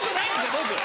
僕。